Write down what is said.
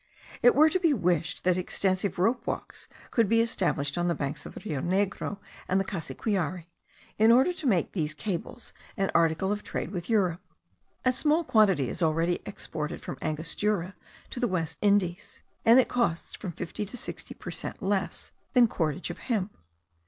It were to be wished that extensive rope walks could be established on the banks of the Rio Negro and the Cassiquiare, in order to make these cables an article of trade with Europe. A small quantity is already exported from Angostura to the West Indies; and it costs from fifty to sixty per cent less than cordage of hemp.